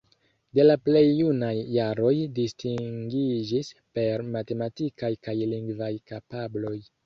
De la plej junaj jaroj distingiĝis per matematikaj kaj lingvaj kapabloj.